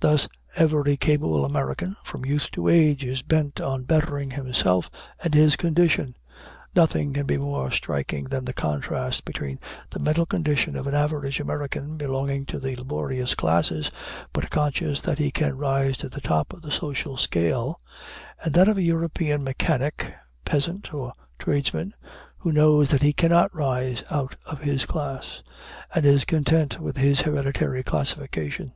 Thus every capable American, from youth to age, is bent on bettering himself and his condition. Nothing can be more striking than the contrast between the mental condition of an average American belonging to the laborious classes, but conscious that he can rise to the top of the social scale, and that of a European mechanic, peasant, or tradesman, who knows that he cannot rise out of his class, and is content with his hereditary classification.